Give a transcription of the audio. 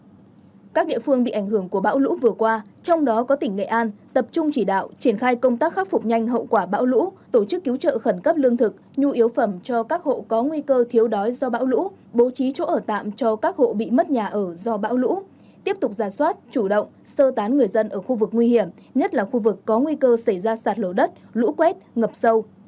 các bộ ngành địa phương bị ảnh hưởng của bão lũ vừa qua trong đó có tỉnh nghệ an tập trung chỉ đạo triển khai công tác khắc phục nhanh hậu quả bão lũ tổ chức cứu trợ khẩn cấp lương thực nhu yếu phẩm cho các hộ có nguy cơ thiếu đói do bão lũ bố trí chỗ ở tạm cho các hộ bị mất nhà ở do bão lũ tiếp tục giả soát chủ động sơ tán người dân ở khu vực nguy hiểm nhất là khu vực có nguy cơ xảy ra sạt lổ đất lũ quét ngập sâu